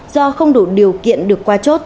do không đủ điều kiện được qua chốt